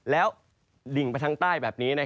แล้วดิ่งไปทางใต้แบบนี้